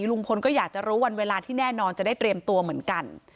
ลุงพลก็อยากจะรู้วันเวลาที่แน่นอนจะได้เตรียมตัวเหมือนกัน